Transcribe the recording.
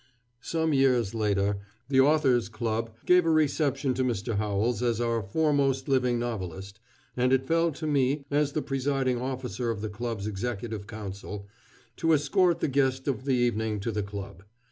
_ Some years later, the Authors Club gave a reception to Mr. Howells as our foremost living novelist, and it fell to me, as the presiding officer of the club's Executive Council, to escort the guest of the evening to the club.